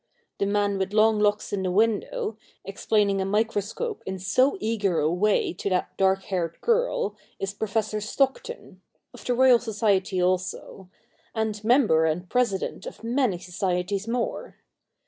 The man with long locks in the window, explaining a microscope in so eager a way to that dark haired girl, is Professor Stockton — of the Royal Society also ; and member and president of many Societies more.